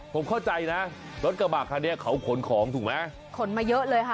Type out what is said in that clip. ผมเข้าใจนะรถกระบะคันนี้เขาขนของถูกไหมขนมาเยอะเลยค่ะ